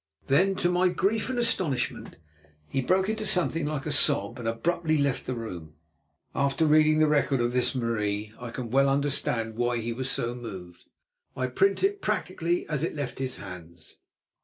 Then, to my grief and astonishment, he broke into something like a sob and abruptly left the room. After reading the record of this Marie I can well understand why he was so moved. I print it practically as it left his hands.